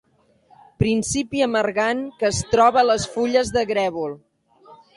Principi amargant que es troba a les fulles de grèvol.